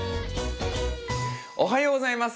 おはようございます。